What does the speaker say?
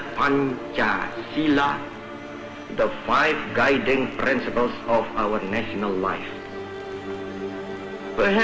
pancasila adalah lima prinsip yang menguasai hidup kita